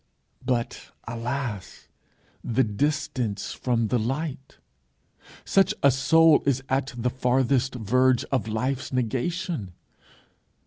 But alas, the distance from the light! Such a soul is at the farthest verge of life's negation!